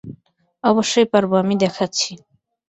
অবশ্যই পারব, আমি দেখাচ্ছি।